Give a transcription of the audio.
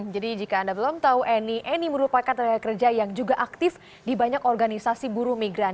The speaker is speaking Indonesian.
jadi jika anda belum tahu annie annie merupakan tenaga kerja yang juga aktif di banyak organisasi buru migran